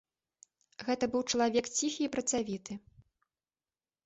Гэта быў чалавек ціхі і працавіты.